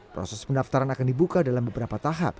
proses pendaftaran akan dibuka dalam beberapa tahap